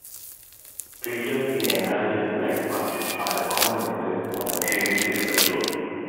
Filters in the enlarger's light path are a common method of achieving this control.